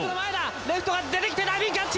レフトが出てきてダイビングキャッチ！